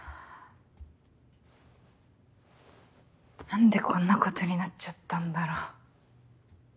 何でこんなことになっちゃったんだろ。